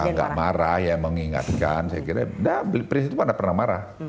ya nggak marah ya mengingatkan saya kira presiden itu pernah marah